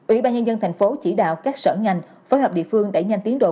ủy ban nhân dân thành phố chỉ đạo các sở ngành phối hợp địa phương đẩy nhanh tiến độ